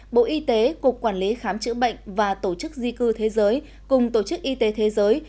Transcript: bộ y tế cục quản lý khám chữa bệnh và tổ chức di cư thế giới cùng tổ chức y tế thế giới